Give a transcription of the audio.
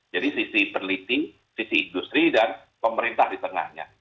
jadi sisi peneliti sisi industri dan pemerintah di tengahnya